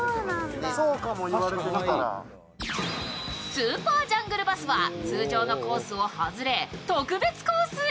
スーパージャングルバスは通常のコースを外れ特別コースへ。